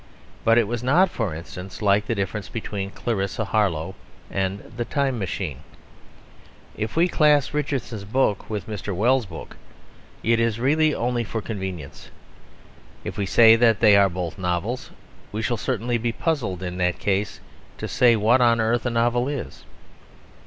But it was not (for instance) like the difference between Clarissa Harlowe and The Time Machine. If we class Richardson's book with Mr. Wells's book it is really only for convenience; if we say that they are both novels we shall certainly be puzzled in that case to say what on earth a novel is.